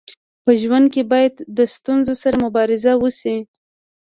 په ژوند کي باید د ستونزو سره مبارزه وسي.